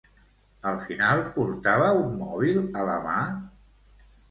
Al final portava un mòbil a la mà?